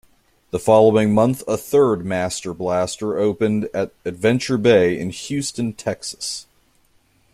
The following month a third Master Blaster opened at Adventure Bay in Houston, Texas.